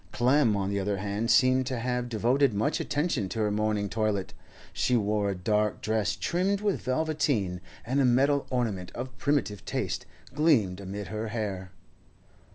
Clem, on the other hand, seemed to have devoted much attention to her morning toilet; she wore a dark dress trimmed with velveteen, and a metal ornament of primitive taste gleamed amid her hair.